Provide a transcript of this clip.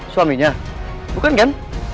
suaminya bukan kan